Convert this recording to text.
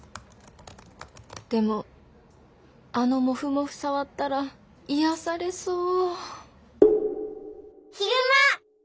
でもあのモフモフ触ったら癒やされそう。悲熊。